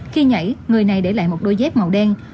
khi nhảy người này để lại một đôi dép màu đen